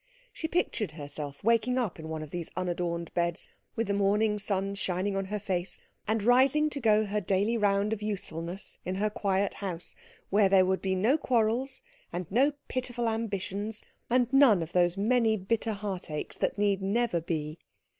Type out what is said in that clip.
She pictured herself waking up in one of those unadorned beds with the morning sun shining on her face, and rising to go her daily round of usefulness in her quiet house, where there would be no quarrels, and no pitiful ambitions, and none of those many bitter heartaches that need never be.